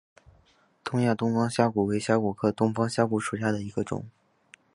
东亚东方虾蛄为虾蛄科东方虾蛄属下的一个种。